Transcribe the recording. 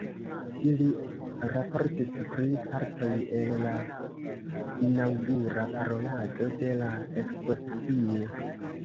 Ili raportis pri partoj el la inaŭgura parolado de la ekspozicio.